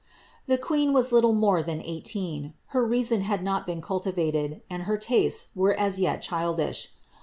The queen was little more than eighteen ; her reason had not boon 'liliivaied, and her Uistcs were as yet childish.